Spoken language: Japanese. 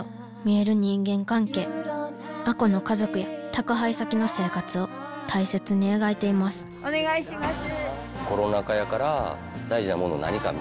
亜子の家族や宅配先の生活を大切に描いていますお願いします。